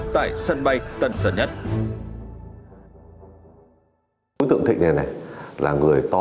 tại sân bay tân sơn nhất